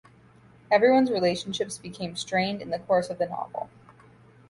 Everyone's relationships become strained in the course of the novel.